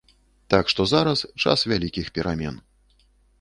Так што зараз час вялікіх перамен.